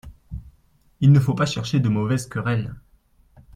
Il ne faut pas chercher de mauvaises querelles.